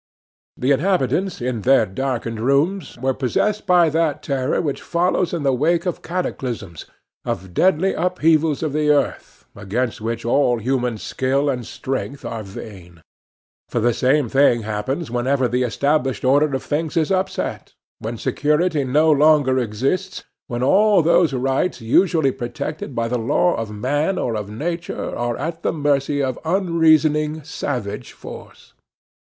The inhabitants, in their darkened rooms, were possessed by that terror which follows in the wake of cataclysms, of deadly upheavals of the earth, against which all human skill and strength are vain. For the same thing happens whenever the established order of things is upset, when security no longer exists, when all those rights usually protected by the law of man or of Nature are at the mercy of unreasoning, savage force.